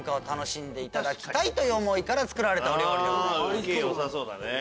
ウケよさそうだね。